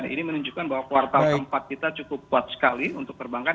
ini menunjukkan bahwa kuartal keempat kita cukup kuat sekali untuk perbankan